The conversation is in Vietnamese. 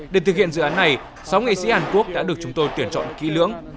để thực hiện dự án này sáu nghệ sĩ hàn quốc đã được chúng tôi tuyển chọn kỹ lưỡng